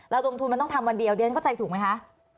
ระดมทุนมันต้องทำวันเดียวเดี๋ยวนั้นเข้าใจถูกไหมคะ